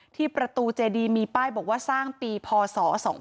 ที่ประตูเจดีมีป้ายบอกว่าสร้างปีพศ๒๕๖